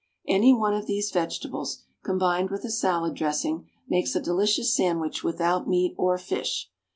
Any one of these vegetables, combined with a salad dressing, makes a delicious sandwich without meat or fish.